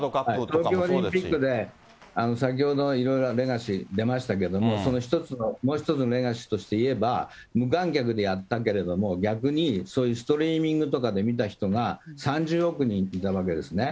東京オリンピックで先ほどのいろいろなレガシー出ましたけども、その一つの、もう一つのレガシーとして言えば、無観客でやったけれども、逆にそういうストリーミングとかで見た人が３０億人いたわけですね。